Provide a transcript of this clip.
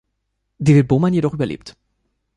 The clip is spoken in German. David Bowman jedoch überlebt.